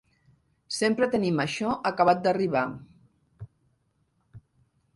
Sempre tenim això acabat d'arribar.